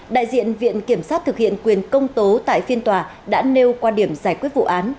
đại diện viện kiểm sát thực hiện quyền công tố tại phiên tòa đã nêu quan điểm giải quyết vụ án